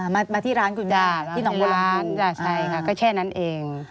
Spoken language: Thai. มาที่ร้านคุณย่าที่หนองโบราณใช่ค่ะก็แค่นั้นเอง